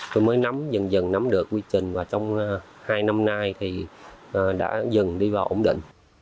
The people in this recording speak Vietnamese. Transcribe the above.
tôi mới nắm dần dần nắm được quy trình và trong hai năm nay thì đã dần đi vào ổn định